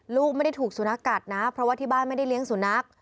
ลูกไม่ได้ถูกสุนัขกัดนะเพราะว่าที่บ้านไม่ได้เลี้ยงสุนัข